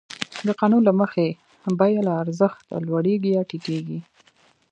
د قانون له مخې بیه له ارزښت لوړېږي یا ټیټېږي